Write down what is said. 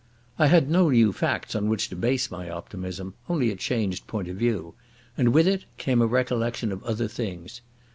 I had no new facts on which to base my optimism, only a changed point of view. And with it came a recollection of other things.